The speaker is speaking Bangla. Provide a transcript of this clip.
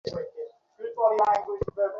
লুপ্ত হয়ে গেছে তাহা চিহ্নহীন কালে।